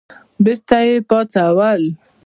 بېرته یې پاڅول.